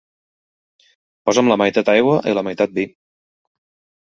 Posa'm la meitat aigua i la meitat vi.